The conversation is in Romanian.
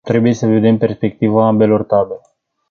Trebuie să vedem din perspectiva ambelor tabere.